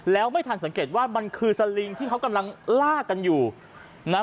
แล้วไม่ทันสังเกตว่ามันคือสลิงที่เขากำลังลากกันอยู่นะ